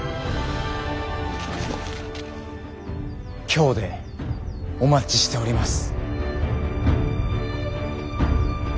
京でお待ちしております。